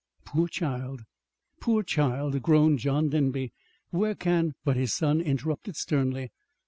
"Poor child, poor child!" groaned John Denby. "Where can " But his son interrupted sternly.